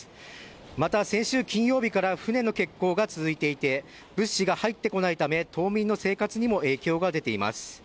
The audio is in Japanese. また先週金曜日から、船の欠航が続いていて、物資が入ってこないため、島民の生活にも影響が出ています。